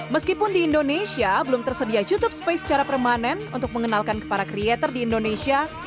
meskipun di indonesia belum tersedia youtube space secara permanen untuk mengenalkan kepada creator di indonesia